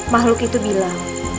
makhluk itu bilang